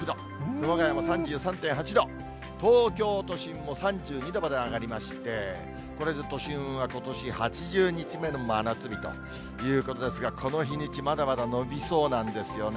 熊谷も３３．８度、東京都心も３２度まで上がりまして、これで都心はことし８０日目の真夏日ということですが、この日にち、まだまだ伸びそうなんですよね。